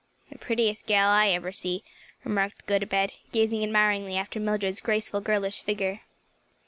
"The prettiest gal I ever see," remarked Gotobed, gazing admiringly after Mildred's graceful, girlish figure.